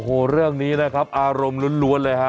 โอ้โหเรื่องนี้นะครับอารมณ์ล้วนเลยฮะ